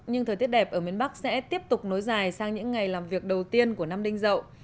nhưng thời tiết đẹp ở miền bắc sẽ tiếp tục nối dài sang những ngày làm việc đầu tiên của năm đinh dậu